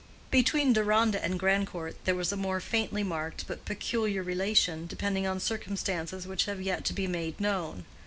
Between Deronda and Grandcourt there was a more faintly marked but peculiar relation, depending on circumstances which have yet to be made known.